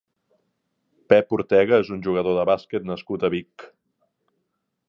Pep Ortega és un jugador de bàsquet nascut a Vic.